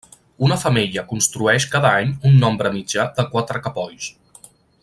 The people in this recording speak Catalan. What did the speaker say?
Una femella construeix cada any un nombre mitjà de quatre capolls.